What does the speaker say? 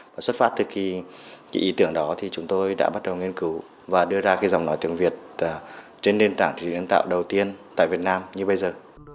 và xuất phát từ cái ý tưởng đó thì chúng tôi đã bắt đầu nghiên cứu và đưa ra cái giọng nói tiếng việt trên nền tảng trí nhân tạo đầu tiên tại việt nam như bây giờ